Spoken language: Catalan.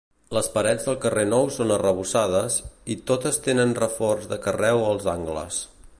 Les parets del carrer Nou són arrebossades, i totes tenen reforç de carreu als angles.